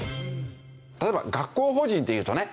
例えば学校法人っていうとね